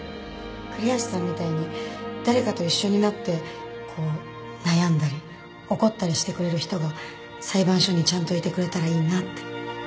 栗橋さんみたいに誰かと一緒になってこう悩んだり怒ったりしてくれる人が裁判所にちゃんといてくれたらいいなって。